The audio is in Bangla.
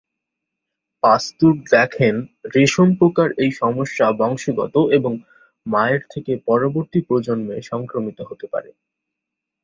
পাস্তুর দেখেন রেশম পোকার এই সমস্যা বংশগত এবং মায়ের থেকে পরবর্তী প্রজন্মে সংক্রামিত হতে পারে।